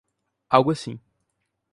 Algo assim